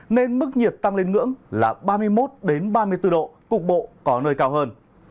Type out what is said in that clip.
nên mức nhiệt tăng lên ngưỡng là ba mươi một ba mươi bốn độ cục bộ có nơi cao hơn